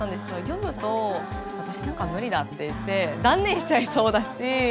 読むと「私なんか無理だ」っていって断念しちゃいそうだし。